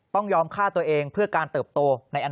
ต้องยอมฆ่าตัวเองเพื่อการเติบโตในอนาคต